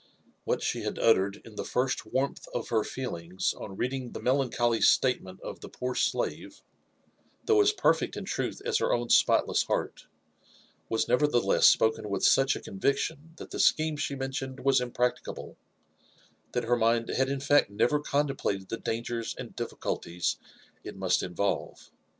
What she had uttered in the first warmth of her feelings on reading the melancholy statement of the poor slave^ though as perfect in truth as her own spotless heart, was nevertheless spoken with such a conviction that the scheme she mentioned was im practicable, that her mind had in fact never contemplated the dangers and difficulties it must involve.